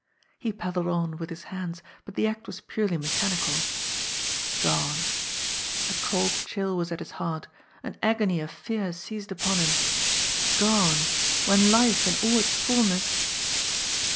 He paddled on with his hands, but the act was purely mechanical. Gone ! A cold chill was at his heart; an agony of fear seized upon him. Gone when life in all its fulness